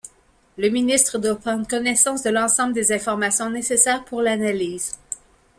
Le ministre doit prendre connaissance de l’ensemble des informations nécessaires pour l’analyse.